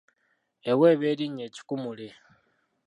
Eweebwa erinnya ekikuumuule.